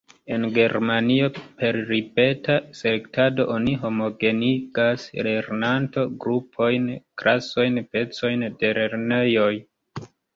En Germanio per ripeta selektado oni homogenigas lernanto-grupojn, klasojn, pecojn de lernejoj.